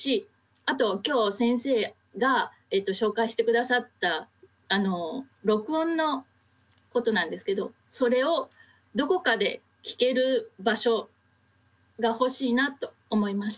あと今日先生が紹介して下さった録音のことなんですけどそれをどこかで聞ける場所が欲しいなと思いました。